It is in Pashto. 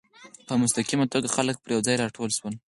په مستقیمه توګه خلک پر یو ځای راټول شي.